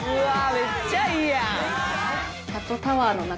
めっちゃいいやん！